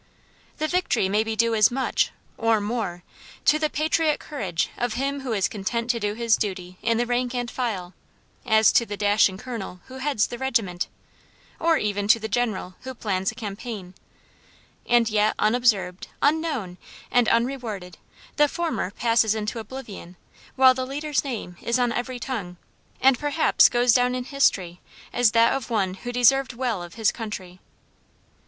The victory may be due as much, or more, to the patriot courage of him who is content to do his duty in the rank and file, as to the dashing colonel who heads the regiment, or even to the general who plans the campaign: and yet unobserved, unknown, and unrewarded the former passes into oblivion while the leader's name is on every tongue, and perhaps goes down in history as that of one who deserved well of his country.